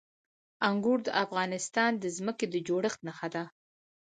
انګور د افغانستان د ځمکې د جوړښت نښه ده.